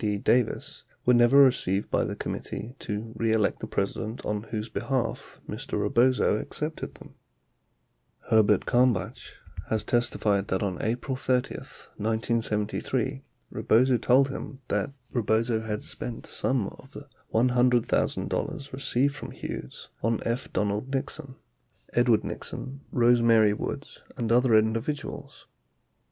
D. Davis were never received by the Committee To Re Elect the President on whose behalf Mr. Rebozo accepted them. 39 Herbert Kalmbach has testified that on April 30, 1973, Rebozo told him that Rebozo had spent some of the $100,000 received from Hughes on F. Donald Nixon, Edward Nixon, Rose Mary Woods, and other individuals.